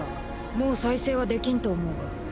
もう再生はできんと思うが。